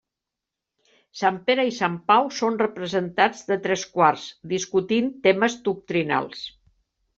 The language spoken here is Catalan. Sant Pere i Sant Pau són representats de tres quarts, discutint temes doctrinals.